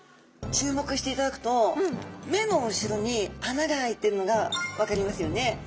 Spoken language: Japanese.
注目していただくと目の後ろに穴が開いてるのが分かりますよね。